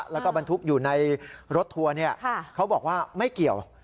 แล้วก็บรรทุกอยู่ในรถทัวร์เขาบอกว่าไม่เกี่ยว